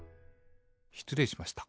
しつれいしました。